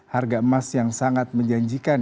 harga emas yang sangat menjanjikan